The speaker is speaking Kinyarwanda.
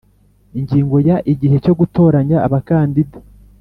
Ingingo ya Igihe cyo gutoranya abakandida